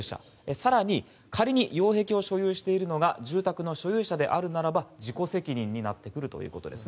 更に仮に擁壁を所有しているのが住宅の所有者であるならば自己責任になってくるということです。